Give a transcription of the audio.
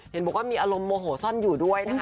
เห็นบอกว่ามีอารมณ์โมโหซ่อนอยู่ด้วยนะคะ